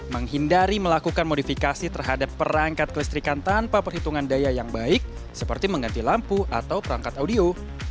menghindari melakukan modifikasi terhadap perangkat kelistrikan tanpa perhitungan daya yang baik seperti mengganti lampu atau perangkat audio